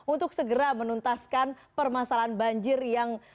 untuk segera menuntaskan permasalahan banjir yang